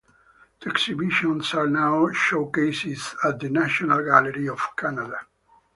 The exhibitions are now showcased at the National Gallery of Canada.